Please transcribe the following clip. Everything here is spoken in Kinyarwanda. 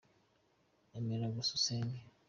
Emera gusa usenge.